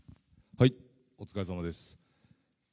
お疲れさまです。